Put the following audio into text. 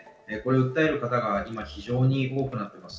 訴える方が今、非常に多くなっています。